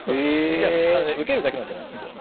いや受けるだけの手なんですよ。